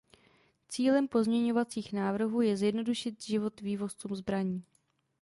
Cílem pozměňovacích návrhů je zjednodušit život vývozcům zbraní.